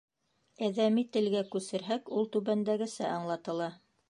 Әҙәми телгә күсерһәк, ул түбәндәгесә аңлатыла: